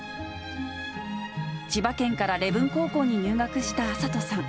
千葉県から礼文高校に入学した暁里さん。